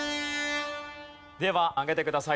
では上げてください。